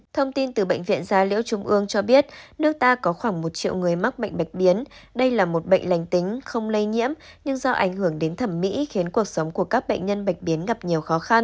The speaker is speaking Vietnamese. thông tin từ bệnh viện gia liễu trung ương cho biết nước ta có khoảng một triệu người mắc bệnh bạch biến đây là một bệnh lành tính không lây nhiễm nhưng do ảnh hưởng đến thẩm mỹ khiến cuộc sống của các bệnh nhân bạch biến gặp nhiều khó khăn